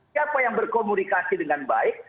siapa yang berkomunikasi dengan baik